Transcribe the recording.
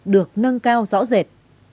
được nâng cao rõ rệt